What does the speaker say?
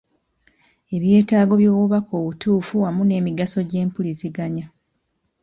Ebyetaago by’obubaka obutuufu wamu n’emigaso gy’empuliziganya.